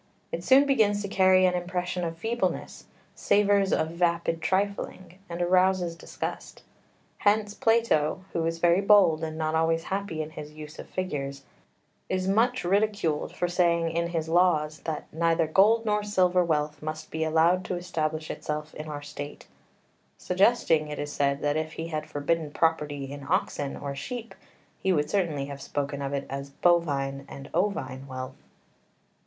It soon begins to carry an impression of feebleness, savours of vapid trifling, and arouses disgust. Hence Plato, who is very bold and not always happy in his use of figures, is much ridiculed for saying in his Laws that "neither gold nor silver wealth must be allowed to establish itself in our State," suggesting, it is said, that if he had forbidden property in oxen or sheep he would certainly have spoken of it as "bovine and ovine wealth."